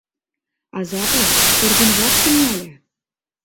Азапле, тургым жап тӱҥале.